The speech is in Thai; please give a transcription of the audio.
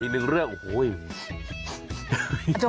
อีกหนึ่งเรื่องโอ้โห